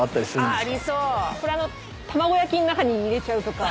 卵焼きの中に入れちゃうとか。